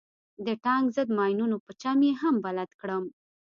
د ټانک ضد ماينونو په چم يې هم بلد کړم.